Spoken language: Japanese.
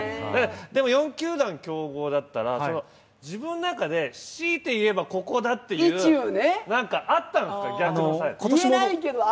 でも４球団競合だったら、自分の中でしいて言えばここだというのはあったんですか。